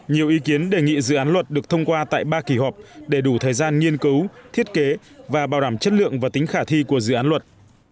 nhiều ý kiến đề nghị dự án luật được thông qua tại ba kỳ họp để đủ thời gian nghiên cứu thiết kế và bảo đảm chất lượng và tính khả thi của dự án luật